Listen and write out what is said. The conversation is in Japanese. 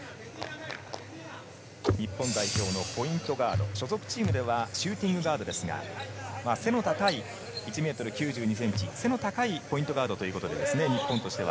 日本代表のポイントガード、所属チームではシューティングガードですが、１ｍ９２ｃｍ、背の高いポイントガードということですね、日本としては。